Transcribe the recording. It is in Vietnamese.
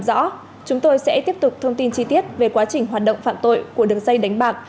rõ chúng tôi sẽ tiếp tục thông tin chi tiết về quá trình hoạt động phạm tội của đường dây đánh bạc